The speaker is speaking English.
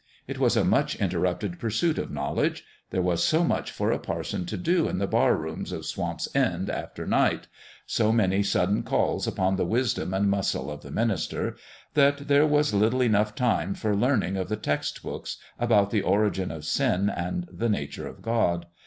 It was a much interrupted pursuit of knowledge : there was so much for a parson to do in the barrooms of Swamp's End after night so many sudden calls upon the wisdom and muscle of the minister that there was little enough time for learning of the text books BILLY the BEAST STARTS HOME 125 about the origin of sin and the nature of God.